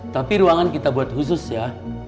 tapi ruangan kita buat khusus ya